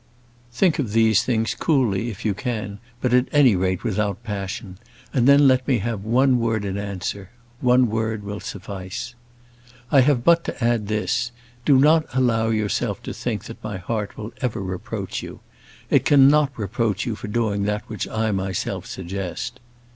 ] Think of these things, coolly, if you can, but, at any rate, without passion: and then let me have one word in answer. One word will suffice. I have but to add this: do not allow yourself to think that my heart will ever reproach you. It cannot reproach you for doing that which I myself suggest.